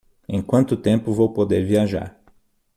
em quanto tempo vou poder viajar